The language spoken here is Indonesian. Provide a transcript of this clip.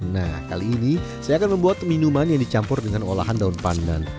nah kali ini saya akan membuat minuman yang dicampur dengan olahan daun pandan